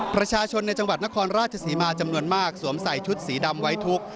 ประชาชนในจังหวัดนครราชศรีมาจำนวนมากสวมใส่ชุดสีดำไว้ทุกข์